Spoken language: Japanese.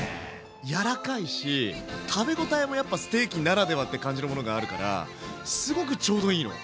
やらかいし食べ応えもやっぱステーキならではって感じのものがあるからすごくちょうどいいの。